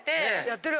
やってる？